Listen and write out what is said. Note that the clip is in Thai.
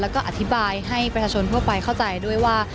แล้วก็อธิบายให้ประชาชนทั่วไปเข้าใจด้วยว่า